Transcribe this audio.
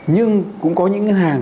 nhưng cũng có những ngân hàng